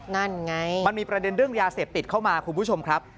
นั่นไงมันมีประเด็นเรื่องยาเสพติดเข้ามาคุณผู้ชมครับ